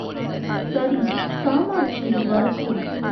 சரி காமாட்சி வரட்டும்.